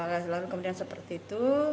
tidak tidak kemudian seperti itu